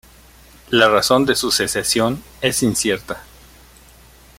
La razón de su secesión es incierta.